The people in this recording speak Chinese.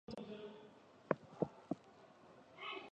粗球果葶苈为十字花科葶苈属球果葶苈的变种。